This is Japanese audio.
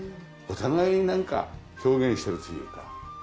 お互いになんか表現してるというか。